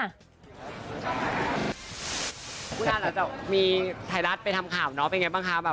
คุณอาจจะมีถ่ายรัฐไปทำข่าวเป็นอย่างไรบ้างครับ